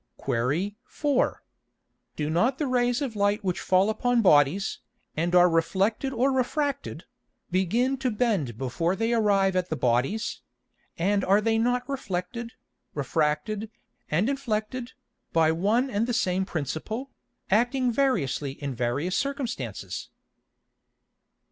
Qu. 4. Do not the Rays of Light which fall upon Bodies, and are reflected or refracted, begin to bend before they arrive at the Bodies; and are they not reflected, refracted, and inflected, by one and the same Principle, acting variously in various Circumstances?